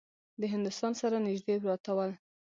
د هندوستان سره نیژدې پراته ول.